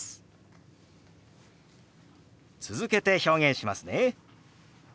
続けて表現しますね。